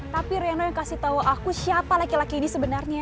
tapi reyono yang kasih tahu aku siapa laki laki ini sebenarnya